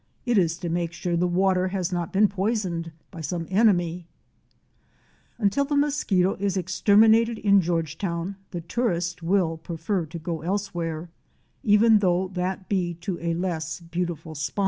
It is to make sure the water has not been poisoned by some enemy ''! Until the mosquito is exterminated in Georgetown the tourist will prefer to go elsewhere, even though that be to a less beautiful spot.